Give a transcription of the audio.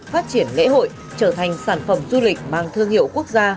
phát triển lễ hội trở thành sản phẩm du lịch mang thương hiệu quốc gia